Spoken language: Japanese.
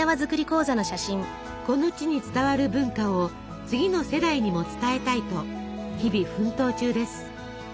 この地に伝わる文化を次の世代にも伝えたいと日々奮闘中です。